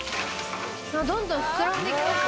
どんどん膨らんできました。